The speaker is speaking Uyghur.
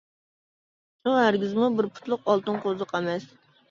ئۇ، ھەرگىزمۇ بىر پۇتلۇق ئالتۇن قوزۇق ئەمەس.